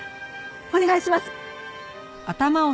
お願いします！